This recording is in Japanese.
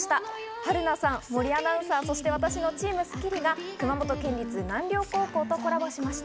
春菜さん、森アナウンサー、そして私のチームスッキリが熊本県立南稜高校とコラボしました。